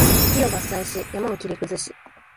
木を伐採し、山を切り崩し